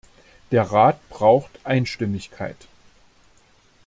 Der Rat braucht Einstimmigkeit.